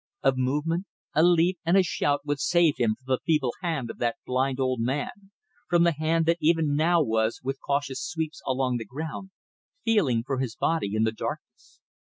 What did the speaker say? A movement, a leap, a shout would save him from the feeble hand of the blind old man, from that hand that even now was, with cautious sweeps along the ground, feeling for his body in the darkness.